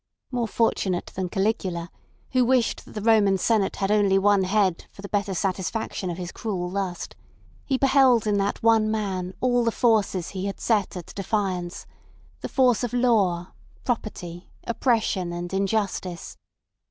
More fortunate than Caligula, who wished that the Roman Senate had only one head for the better satisfaction of his cruel lust, he beheld in that one man all the forces he had set at defiance: the force of law, property, oppression, and injustice.